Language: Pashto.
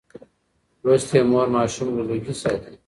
لوستې مور ماشوم له لوګي ساتي.